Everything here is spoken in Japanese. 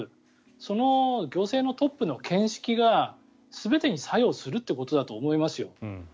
その行政のトップの見識が全てに作用するということだと思いますよ。